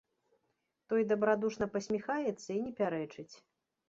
Той дабрадушна пасміхаецца і не пярэчыць.